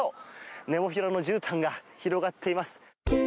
ネモフィラのじゅうたんが広がっています。